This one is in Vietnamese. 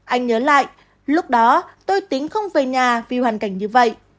anh nhớ lại lúc đó tôi tính không về nhà vì hoàn cảnh như vậy